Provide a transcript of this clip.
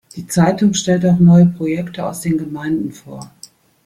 Die Zeitung stellt auch neue Projekte aus den Gemeinden vor.